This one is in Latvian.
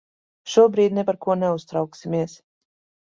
Šobrīd ne par ko neuztrauksimies.